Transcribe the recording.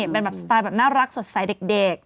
เป็นน่ารักใส่เด็ก